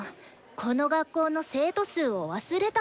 この学校の生徒数を忘れた？